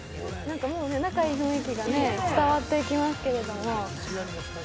仲いい雰囲気が伝わってきますけれども。